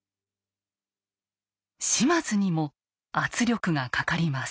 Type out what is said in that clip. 島津にも圧力がかかります。